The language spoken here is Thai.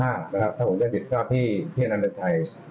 ถ้าผมเจอกับพี่เที่ยวหนัดละชัย